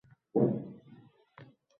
Bir donishmand ulug’ hakim